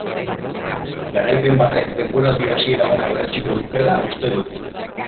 Garaipen batek denboraldi hasiera ona berretsiko lukeela uste du.